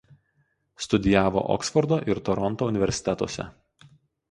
Studijavo Oksfordo ir Toronto universitetuose.